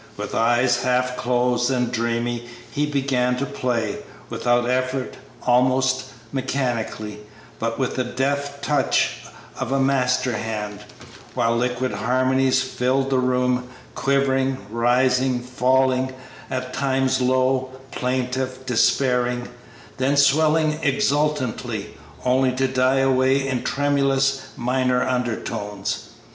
With eyes half closed and dreamy he began to play, without effort, almost mechanically, but with the deft touch of a master hand, while liquid harmonies filled the room, quivering, rising, falling; at times low, plaintive, despairing; then swelling exultantly, only to die away in tremulous, minor undertones.